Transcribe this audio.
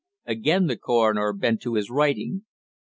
Again the coroner bent to his writing.